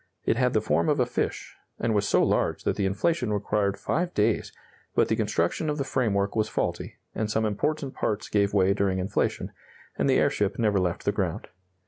It had the form of a fish, and was so large that the inflation required five days, but the construction of the framework was faulty, and some important parts gave way during inflation, and the airship never left the ground.